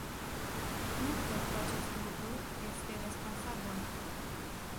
Nu cred că acest lucru este responsabil.